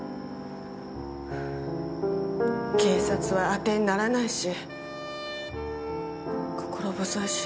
警察は当てにならないし心細いし。